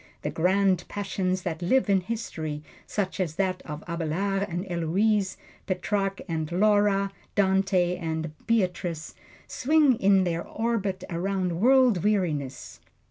The Grand Passions that live in history, such as that of Abelard and Heloise, Petrarch and Laura, Dante and Beatrice, swing in their orbit around world weariness.